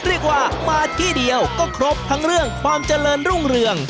เรียกว่ามาที่เดียวก็ครบทั้งเรื่องความเจริญรุ่งเรือง